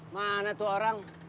mana tuh orang